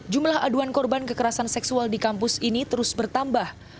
jumlah aduan korban kekerasan seksual di kampus ini terus bertambah